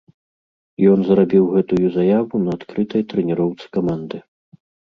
Ён зрабіў гэтую заяву на адкрытай трэніроўцы каманды.